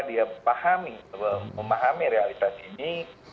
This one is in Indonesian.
dia memahami realitas ini